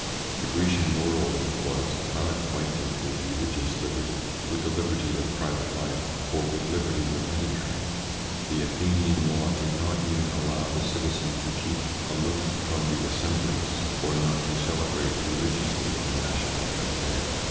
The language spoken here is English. The Grecian world was unacquainted with religious liberty, with the liberty of private life, or with liberties of any kind. The Athenian law did not even allow the citizen to keep 184 THE PSYCHOLOGY OF PEOPLES: aloof from the assemblies, or not to celebrate re ligiously a national fete.